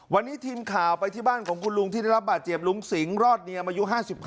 วันนี้ทีมข่าวไปที่บ้านของคุณลุงที่ได้รับบาดเจ็บลุงสิงหรอดเนียมอายุ๕๕